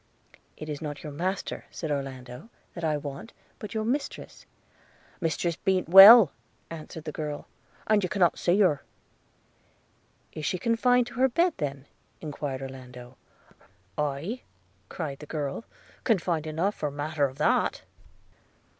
'It is not your master,' said Orlando, 'that I want, but your mistress.' – 'Mistress be'nt well,' answered the girl, 'and you cannot a see her.' 'Is she confined to her bed then?' enquired Orlando. 'Aye,' cried the girl, 'confined enough for matter of that.'